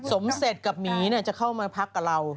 สมเสร็จกับหมีจะเข้ามาพักกับเรา